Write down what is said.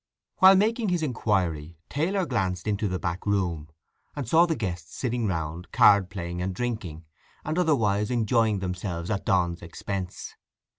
While making his inquiry Taylor glanced into the back room, and saw the guests sitting round, card playing, and drinking, and otherwise enjoying themselves at Donn's expense.